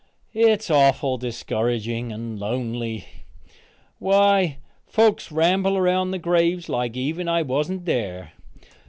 It's awful discouraging. And lonely! Why folks ramble around the graves like even I wasn't there.